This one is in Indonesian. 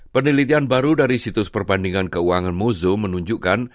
penelitian baru dari situs perbandingan keuangan mozo menunjukkan